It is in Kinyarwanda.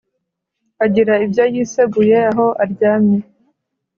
Agira ibyo yiseguye aho aryamye